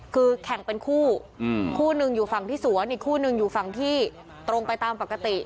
คือแข่งเป็นคู่คู่หนึ่งอยู่ฝั่งที่สวนอีกคู่หนึ่งอยู่ฝั่งที่ตรงไปตามปกติ